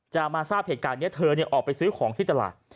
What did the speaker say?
มาทราบเหตุการณ์นี้เธอออกไปซื้อของที่ตลาด